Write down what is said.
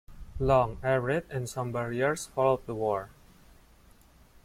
Long, arid, and somber years followed the war.